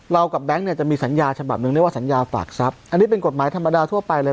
กับแบงค์เนี่ยจะมีสัญญาฉบับหนึ่งเรียกว่าสัญญาฝากทรัพย์อันนี้เป็นกฎหมายธรรมดาทั่วไปเลย